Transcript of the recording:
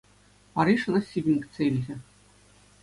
Париж ӑна сиввӗн кӗтсе илчӗ.